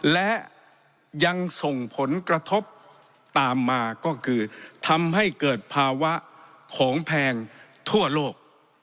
และยังส่งผลกระทบตามมาก็คือทำให้เกิดภาวะของแพงทั่วโลก